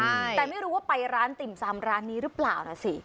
ใช่แต่ไม่รู้ว่าไปร้านติ่มซำร้านนี้หรือเปล่านะสิ